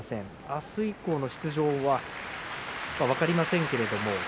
明日以降の出場は分かりませんけれども。